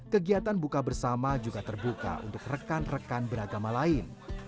kegiatan buka bersama juga terbuka untuk rekan rekan beragama lain